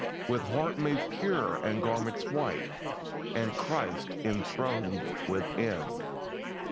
With heart made pure and garments white, And Christ enthroned within.'